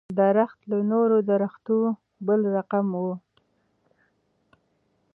درخت له نورو درختو بل رقم و.